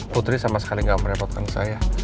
putri sama sekali gak merepotkan saya